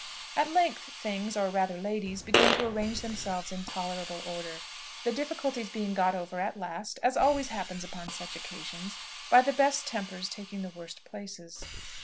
At length things, or rather ladies, began to arrange themselves in tolerable order, the difficulty being got over at last, as always happens upon such occasions, by the best tempers taking the worst places.